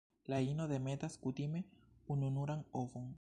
La ino demetas kutime ununuran ovon.